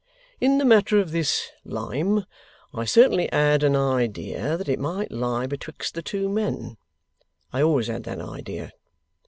In the matter of this lime, I certainly had an idea that it might lie betwixt the two men; I always had that idea.